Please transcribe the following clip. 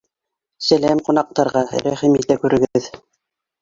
- Сәләм ҡунаҡтарға, рәхим итә күрегеҙ